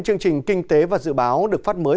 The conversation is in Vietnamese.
chương trình kinh tế và dự báo được phát mới